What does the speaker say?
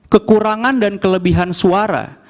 kekurangan dan kelebihan suara